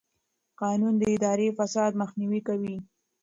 قانون د اداري فساد مخنیوی کوي.